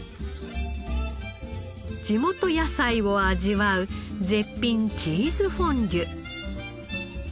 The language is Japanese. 地元野菜を味わう絶品チーズフォンデュ。